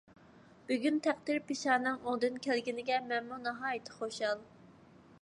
بۈگۈن تەقدىر - پېشانەڭ ئوڭدىن كەلگىنىگە مەنمۇ ناھايىتى خۇشال.